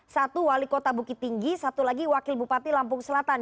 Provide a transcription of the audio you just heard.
satu wali kota bukit tinggi satu lagi wakil bupati lampung selatan